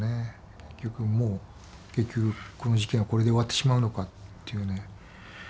結局もうこの事件はこれで終わってしまうのかっていうね。